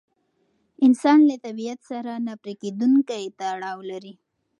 انسان له طبیعت سره نه پرېکېدونکی تړاو لري.